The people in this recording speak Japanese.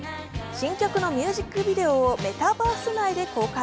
新曲のミュージックビデオをメタバース内で公開。